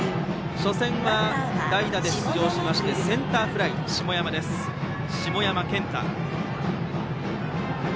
初戦は代打で出場しましてセンターフライの下山健太。